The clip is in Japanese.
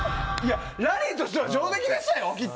ラリーとしては上出来でしたよ。